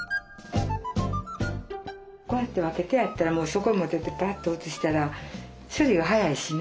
こうやって分けてあったらもうそこへ持ってってパッと移したら処理が早いしね。